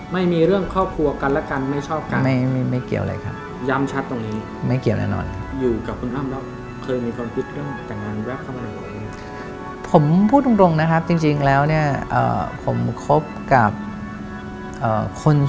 ไม่มีเรื่องครอบครัวกันละกันไม่ชอบกัน